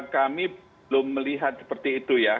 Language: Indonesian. kami belum melihat seperti itu ya